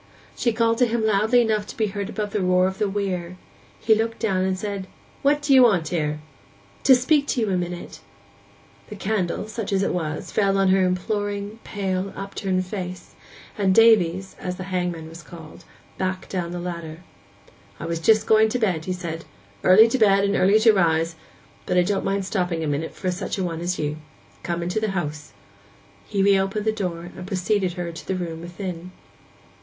She called to him loudly enough to be heard above the roar of the weir; he looked down and said, 'What d'ye want here?' 'To speak to you a minute.' The candle light, such as it was, fell upon her imploring, pale, upturned face, and Davies (as the hangman was called) backed down the ladder. 'I was just going to bed,' he said; '"Early to bed and early to rise," but I don't mind stopping a minute for such a one as you. Come into house.' He reopened the door, and preceded her to the room within.